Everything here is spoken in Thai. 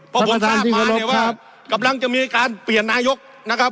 เพราะผมทราบมาเนี่ยว่ากำลังจะมีการเปลี่ยนนายกนะครับ